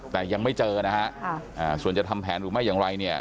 แต่ยังไม่เจอนะฮะส่วนจะทำแผนหรือไม่อย่างไรเนี่ย